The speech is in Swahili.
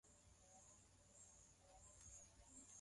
Mnyama hutanua miguu ya mbele akiwa na ugonjwa wa homa ya mapafu